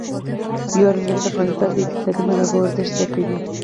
یورانیم د افغانستان د اقتصادي منابعو ارزښت زیاتوي.